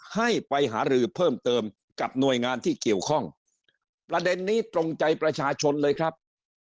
ให้ไปหารือเพิ่มเติมกับหน่วยงานที่เกี่ยวข้องประเด็นนี้ตรงใจประชาชนเลยครับ